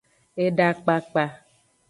Eda kpakpa.